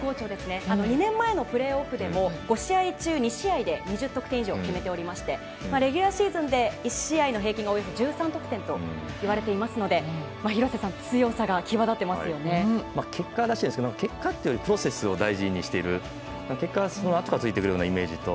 ２年前のプレーオフでも５試合中２試合で２０得点以上決めておりましてレギュラーシーズンで１試合の平均がおよそ１３得点といわれていますので結果出してるんですけど結果というよりプロセスを大事にしているので結果はあとからついてくるイメージと。